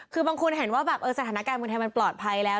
คือบางคนเห็นว่าแบบสถานการณ์เมืองไทยมันปลอดภัยแล้ว